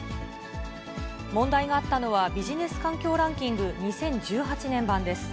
問題があったのは、ビジネス環境ランキング２０１８年版です。